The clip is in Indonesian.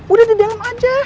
udah di dalam aja